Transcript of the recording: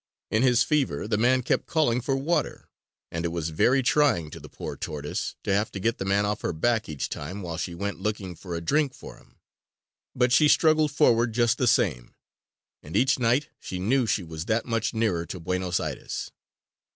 In his fever the man kept calling for water; and it was very trying to the poor tortoise to have to get the man off her back each time while she went looking for a drink for him. But she struggled forward just the same, and each night she knew she was that much nearer to Buenos Aires.